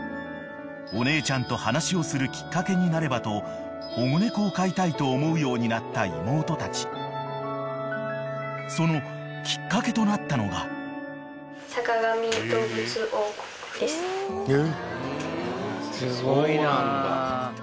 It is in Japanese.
［お姉ちゃんと話をするきっかけになればと保護猫を飼いたいと思うようになった妹たち］とか思ってたんですけど。